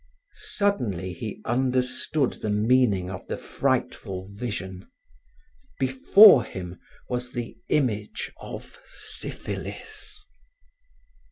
Suddenly he understood the meaning of the frightful vision. Before him was the image of Syphilis.